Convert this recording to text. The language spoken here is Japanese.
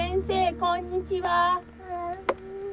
こんにちは。